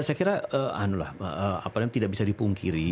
saya kira tidak bisa dipungkiri